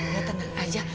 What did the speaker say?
ya tenang aja